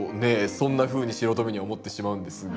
そんなふうに素人目には思ってしまうんですが。